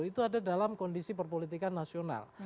itu ada dalam kondisi perpolitikan nasional